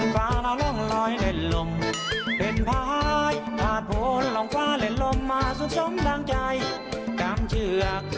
เป็นภายผาดโผนหล่องฟ้าเล่นลมมาส่วนชมดังใจกามเชือก